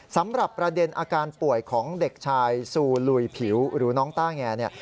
สำหรับประเด็นอาการป่วยของเด็กชายซูลุยผิวหรือน้องต้าแงเนี่ย